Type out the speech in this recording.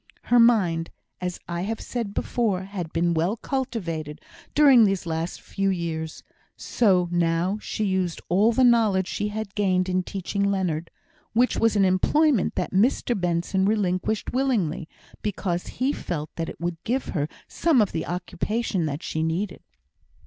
Her mind, as I have said before, had been well cultivated during these last few years; so now she used all the knowledge she had gained in teaching Leonard, which was an employment that Mr Benson relinquished willingly, because he felt that it would give her some of the occupation that she needed.